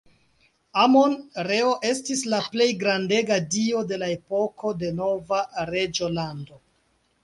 Amon-Reo estis la plej grandega dio de la epoko de Nova Reĝolando.